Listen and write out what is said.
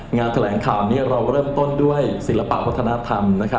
งานแถลงข่าวเริ่มต้นด้วยศิลปะพัฒนธรรม